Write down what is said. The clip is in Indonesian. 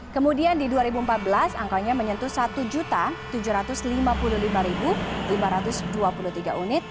kemudian di dua ribu empat belas angkanya menyentuh satu tujuh ratus lima puluh lima lima ratus dua puluh tiga unit